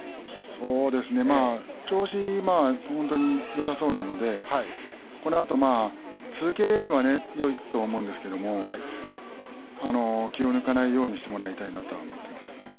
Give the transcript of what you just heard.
調子は本当によさそうなのでこのあと続ければいいと思うんですけれど気を抜かないようにしてもらいたいなとは思っています。